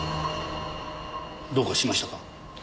どうかしましたか？